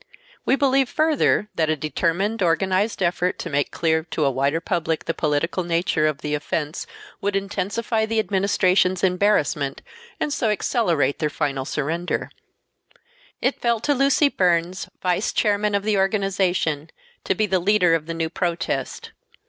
We believed further that a determined, organized effort to make clear to a wider public the political nature of the offense would intensify the Administration's embarrassment and so accelerate their final surrender. It fell to Lucy Burns, vice chairman of the organization, to be the leader of the new protest.